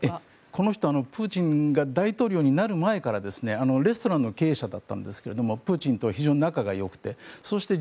この人プーチンが大統領になる前からレストランの経営者だったんですがプーチンと非常に仲がよくてそして